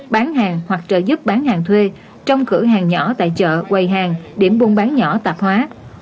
ba bán hàng hoặc trợ giúp bán hàng thuê trông cử hàng nhỏ tại chợ quầy hàng điểm buôn bán nhỏ tạp hóa